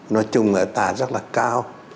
nói chung là tài rất là cao